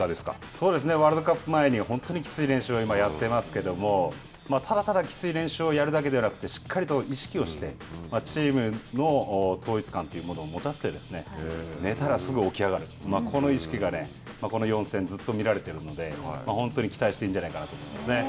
そうですね、ワールドカップ前に、本当にきつい練習を今、やっていますけれども、ただただきつい練習をやるだけではなくて、しっかりと意識をして、チームの統一感というものを持たせて、寝たらすぐ起き上がる、この意識が、この４戦、ずっと見られているので、本当に期待していいんじゃないかと思いますね。